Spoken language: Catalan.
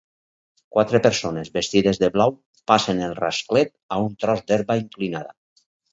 Quatre persones vestides de blau passen el rasclet a un tros d'herba inclinada.